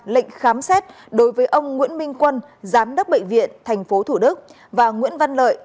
lệnh khám xét đối với ông nguyễn minh quân giám đốc bệnh viện tp thủ đức và nguyễn văn lợi